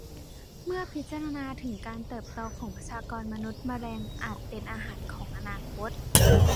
เมื่อพิจารณาถึงการเติบโตของประชากรมนุษย์แมลงอาจเป็นอาหารของอนาคต